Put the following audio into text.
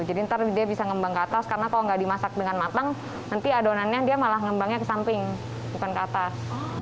jadi nanti dia bisa ngembang ke atas karena kalau nggak dimasak dengan matang nanti adonannya dia malah ngembangnya ke samping bukan ke atas